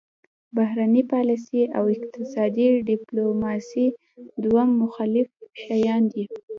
بهرنۍ پالیسي او اقتصادي ډیپلوماسي دوه مختلف شیان دي